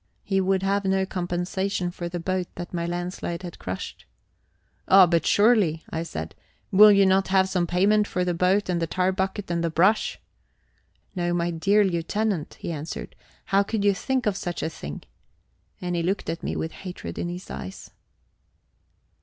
He would have no compensation for the boat that my landslide had crushed. "Oh, but surely," I said, "will you not have some payment for the boat and the tar bucket and the brush?" "No, my dear Lieutenant," he answered. "How could you think of such a thing?" And he looked at me with hatred in his eyes.